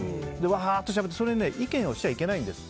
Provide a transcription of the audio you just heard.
わーっとしゃべってそれに意見しちゃいけないんです。